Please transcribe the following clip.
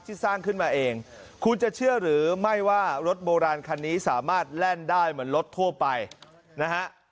สร้างขึ้นมาเองคุณจะเชื่อหรือไม่ว่ารถโบราณคันนี้สามารถแล่นได้เหมือนรถทั่วไปนะฮะ